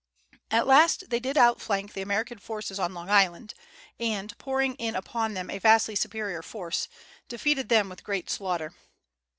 At last they did outflank the American forces on Long Island, and, pouring in upon them a vastly superior force, defeated them with great slaughter.